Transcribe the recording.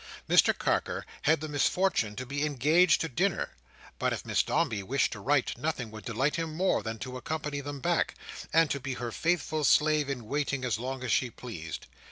Mr Carker had the misfortune to be engaged to dinner, but if Miss Dombey wished to write, nothing would delight him more than to accompany them back, and to be her faithful slave in waiting as long as she pleased.